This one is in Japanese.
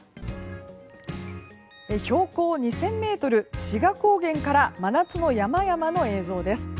標高２０００ｍ、志賀高原から真夏の山々の映像です。